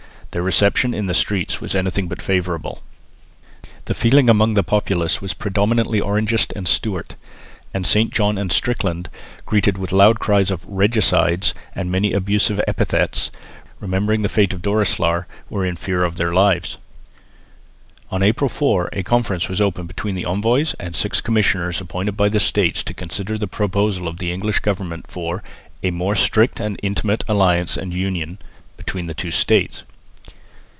Their reception in the streets was anything but favourable. The feeling among the populace was predominantly Orangist and Stewart; and St John and Strickland, greeted with loud cries of "regicides" and many abusive epithets, remembering the fate of Doreslaer, were in fear of their lives. On April 4 a conference was opened between the envoys and six commissioners appointed by the States to consider the proposals of the English Government for "a more strict and intimate alliance and union" between the two states.